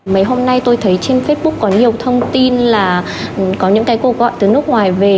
mấy hôm nay tôi thấy trên facebook có nhiều thông tin là có những cái cuộc gọi từ nước ngoài về